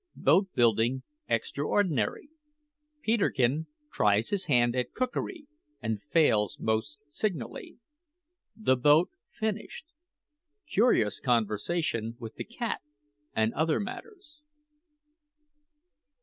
BOAT BUILDING EXTRAORDINARY PETERKIN TRIES HIS HAND AT COOKERY, AND FAILS MOST SIGNALLY THE BOAT FINISHED CURIOUS CONVERSATION WITH THE CAT, AND OTHER MATTERS.